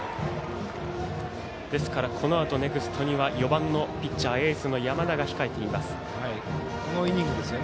このあとネクストには４番のピッチャー山田が控えています。